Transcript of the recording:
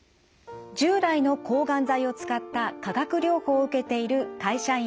従来の抗がん剤を使った化学療法を受けている会社員のＡさん。